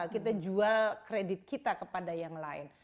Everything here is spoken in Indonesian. kita jual kredit kita kepada yang lain